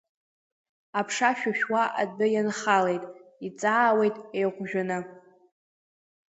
Аԥша шәышәуа адәы ианхалеит, иҵаауеит еиҟәжәаны.